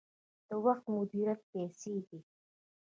د وخت مدیریت پیسې دي